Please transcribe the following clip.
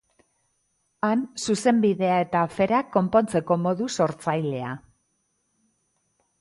Han, Zuzenbidea eta aferak konpontzeko modu sortzailea.